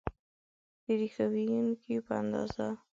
د ریښتیا ویونکي په اندازه